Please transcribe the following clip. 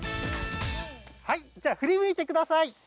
はいじゃあふり向いてください。